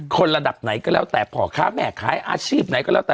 ระดับไหนก็แล้วแต่พ่อค้าแม่ขายอาชีพไหนก็แล้วแต่